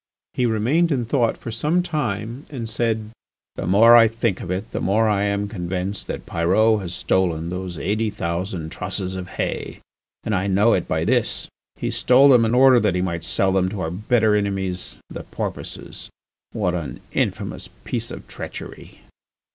He remained in thought for some time and said: "The more I think of it the more I am convinced that Pyrot has stolen those eighty thousand trusses of hay. And I know it by this: he stole them in order that he might sell them to our bitter enemies the Porpoises. What an infamous piece of treachery!